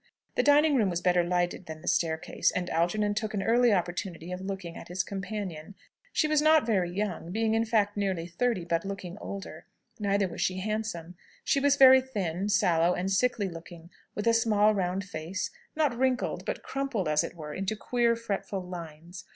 The dining room was better lighted than the staircase, and Algernon took an early opportunity of looking at his companion. She was not very young, being, in fact, nearly thirty, but looking older. Neither was she handsome. She was very thin, sallow, and sickly looking, with a small round face, not wrinkled, but crumpled, as it were, into queer, fretful lines.